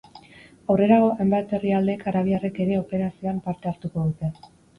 Aurrerago, hainbat herrialdek arabiarrek ere operazioan parte hartuko dute.